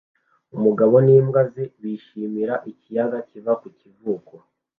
Umugabo n'imbwa ze bishimira ikiyaga kiva ku kivuko